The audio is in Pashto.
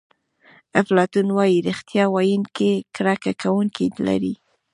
افلاطون وایي ریښتیا ویونکی کرکه کوونکي لري.